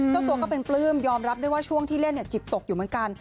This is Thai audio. เจ้าตัวก็เป็นปลื้มยอมรับด้วยว่าช่วงที่เล่นจิตตกอยู่เหมือนกัน